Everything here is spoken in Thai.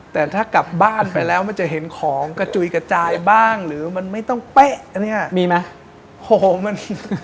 แต่ถ้ากลับบ้านไปแล้วจะเห็นคอยค่อยมันมีมั้ย